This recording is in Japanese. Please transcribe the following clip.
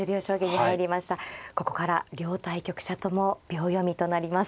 ここから両対局者とも秒読みとなります。